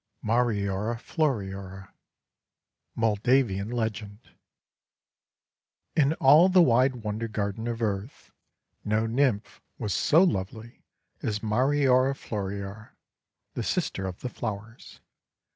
MARIORA FLORIORA Moldavian Legend IN all the wide Wonder Garden of Earth no Nymph was so lovely as Mariora Floriora, the Sister of the Flowers.